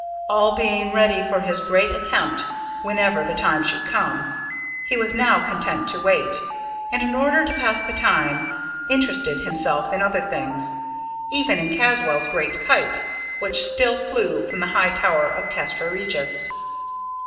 All being ready for his great attempt whenever the time should come, he was now content to wait, and, in order to pass the time, interested himself in other things even in Caswall's great kite, which still flew from the high tower of Castra Regis.